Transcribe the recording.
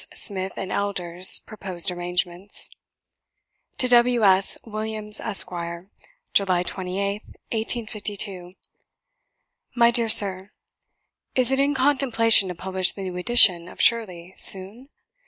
Smith and Elder's proposed arrangements. "To W. S. WILLIAMS, ESQ. "July 28th, 1852. "My dear Sir, Is it in contemplation to publish the new edition of 'Shirley' soon?